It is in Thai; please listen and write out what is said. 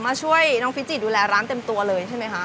มาช่วยน้องฟิจิดูแลร้านเต็มตัวเลยใช่ไหมคะ